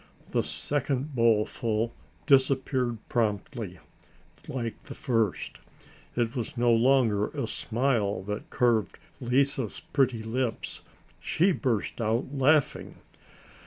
The second bowlful disappeared promptly like the first. It was no longer a smile that curved Lise's pretty lips; she burst out laughing.